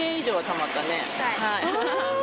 はい。